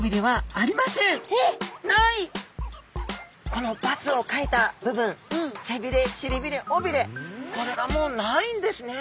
この×を書いた部分せびれしりびれおびれこれがもうないんですね。